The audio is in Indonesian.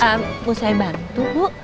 eh mau saya bantu bu